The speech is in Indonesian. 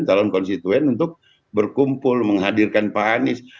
calon konstituen untuk berkumpul menghadirkan pak anies